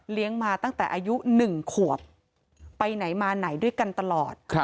เลี้ยงมาตั้งแต่อายุหนึ่งขวบไปไหนมาไหนด้วยกันตลอดครับ